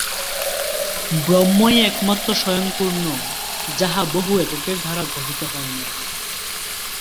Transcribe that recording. ব্রহ্মই একমাত্র স্বয়ংপূর্ণ, যাহা বহু এককের দ্বারা গঠিত হয় নাই।